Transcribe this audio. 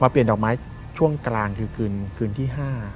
เปลี่ยนดอกไม้ช่วงกลางคือคืนที่๕